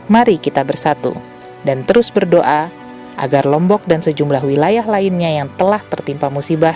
mari kita bersatu dan terus berdoa agar lombok dan sejumlah wilayah lainnya yang telah tertimpa musibah